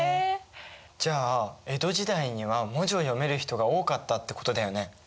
じゃあ江戸時代には文字を読める人が多かったってことだよね。